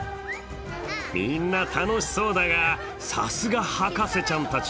みんな楽しそうだが、さすが博士ちゃんたち。